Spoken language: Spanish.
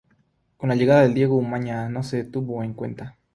Con la llegada de Diego Umaña, no se le tuvo en cuenta.